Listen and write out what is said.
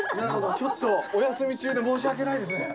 ちょっとお休み中で申し訳ないですね。